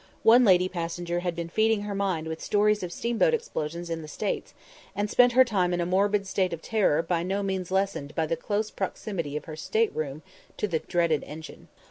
One lady passenger had been feeding her mind with stories of steamboat explosions in the States, and spent her time in a morbid state of terror by no means lessened by the close proximity of her state room to the dreaded engine.